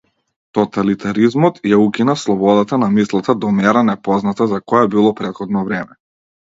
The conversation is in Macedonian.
Тоталитаризмот ја укина слободата на мислата до мера непозната за кое било претходно време.